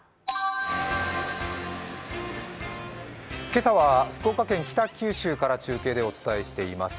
今朝は福岡県北九州から中継でお伝えしています。